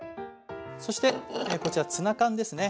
そしてこちらツナ缶ですね。